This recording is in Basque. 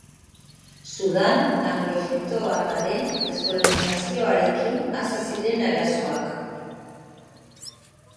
Sudan Anglo-egiptoarraren deskolonizazioarekin hasi ziren arazoak.